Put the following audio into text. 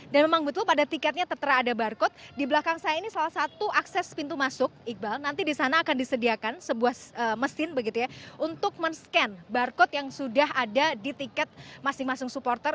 dan memang betul pada tiketnya tertera ada barcode di belakang saya ini salah satu akses pintu masuk iqbal nanti di sana akan disediakan sebuah mesin begitu ya untuk men scan barcode yang sudah ada di tiket masing masing supporter